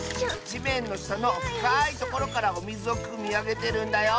じめんのしたのふかいところからおみずをくみあげてるんだよ。